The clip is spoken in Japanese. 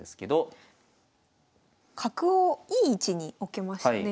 角をいい位置に置けましたね。